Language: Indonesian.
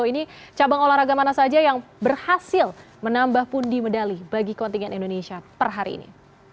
ini cabang olahraga mana saja yang berhasil menambah pundi medali bagi kontingen indonesia per hari ini